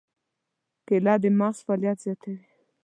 کېله د مغز فعالیت زیاتوي.